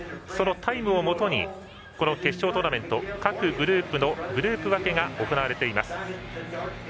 タイムをもとに決勝トーナメント各グループのグループ分けが行われています。